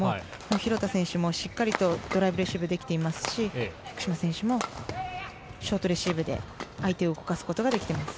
廣田選手も、しっかりとドライブレシーブできていますし福島選手もショートレシーブで相手を動かすことができています。